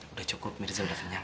udah cukup mirza udah kenyang